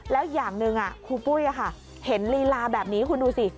แล้วอย่างหนึ่งครูปุ้ยเห็นลีลาแบบนี้คุณดูสิ